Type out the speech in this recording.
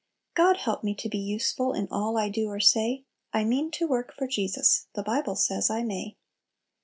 God help me to be useful In all I do or say! I mean to work for Jesus, The Bible says I may!"